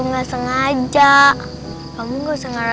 kamu gak sengaja kamu gak sengaja